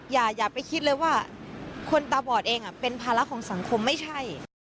อย่าไปคิดเลยว่าคนตาบอดเองเป็นภาระของสังคมไม่ใช่